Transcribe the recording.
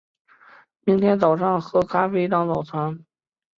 明天早上喝咖啡当早餐